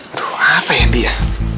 aduh apa ya bia